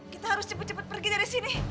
kita harus cepet cepet pergi dari sini